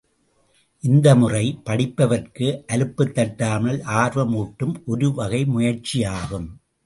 இந்த முறை படிப்பவர்க்கு அலுப்பு தட்டாமல் ஆர்வம் ஊட்டும் ஒருவகை முயற்சியாகும்.